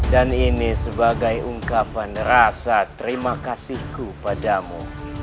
dan ini sebagai ungkapan rasa terima kasihku padamu